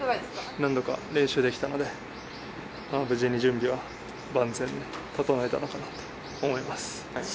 何度か練習できたので、無事に準備は万全に整えたのかなと思います。